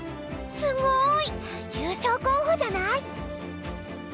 すごい！優勝候補じゃない？